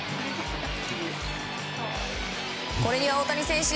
これには大谷選手